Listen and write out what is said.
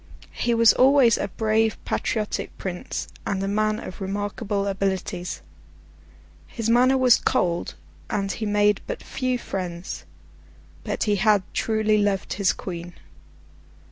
He was always a brave, patriotic Prince, and a man of remarkable abilities. His manner was cold, and he made but few friends; but he had truly loved his queen.